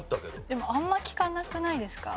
でもあんま聞かなくないですか？